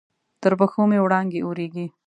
تر پښو مې وړانګې اوریږې